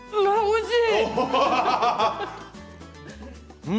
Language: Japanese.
おいしい。